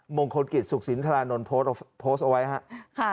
มงคลกิจสุขศิลป์ธาราณนท์โพสต์เอาไว้ค่ะ